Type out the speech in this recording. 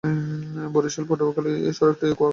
বরিশাল-পটুয়াখালী সড়কটি কুয়াকাটা অবধি বিস্তৃত।